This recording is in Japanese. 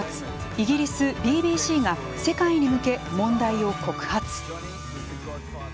イギリスＢＢＣが世界に向け問題を告発。